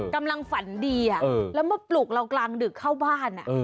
กำลังฝันดีแล้วมาปลุกเรากลางดึกเข้าบ้าน